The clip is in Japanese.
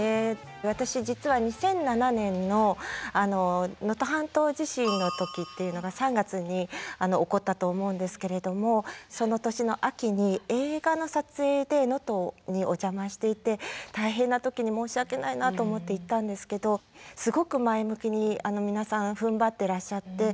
私実は２００７年の能登半島地震の時っていうのが３月に起こったと思うんですけれどもその年の秋に映画の撮影で能登にお邪魔していて大変な時に申し訳ないなと思って行ったんですけどすごく前向きに皆さんふんばってらっしゃって。